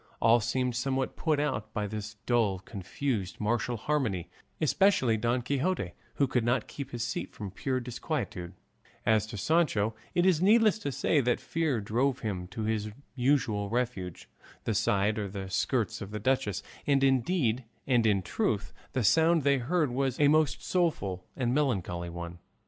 All seemed somewhat put out by this dull, confused, martial harmony, especially Don Quixote, who could not keep his seat from pure disquietude; as to Sancho, it is needless to say that fear drove him to his usual refuge, the side or the skirts of the duchess; and indeed and in truth the sound they heard was a most doleful and melancholy one.